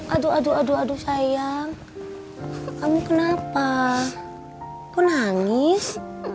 aduh aduh aduh aduh sayang kamu kenapa kau nangis